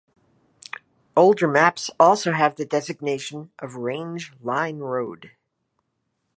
Older maps also have the designation of "Range Line Road".